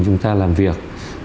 chúng ta làm việc